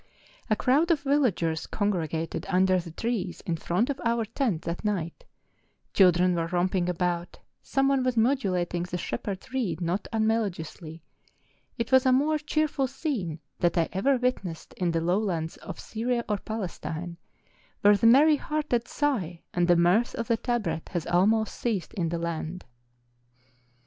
A crowd of villagers congregated under the trees in front of our tent that night: children were romping about, some one was modulating the shep¬ herd's reed not unmelodiously, it was a more cheer¬ ful scene than I ever witnessed in the lowlands of Syria or Palestine, where the merry hearted sigh and the mirth of the tabret has almost ceased in the land.